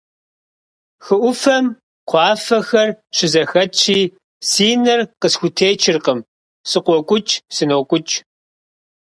Хы Ӏуфэм кхъуафэхэр щызэхэтщи, си нэр къысхутечыркъым: сыкъокӀукӀ-сынокӀукӀ.